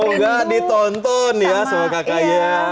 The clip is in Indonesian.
semoga ditonton ya sama kakaknya